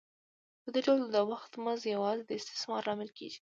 په دې ډول د وخت مزد یوازې د استثمار لامل کېږي